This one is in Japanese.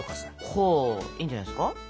ほいいんじゃないですか。